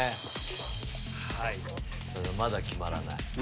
まだ決まらない。